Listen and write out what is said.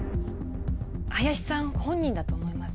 林さん本人だと思います。